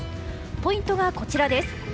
ポイントがこちら。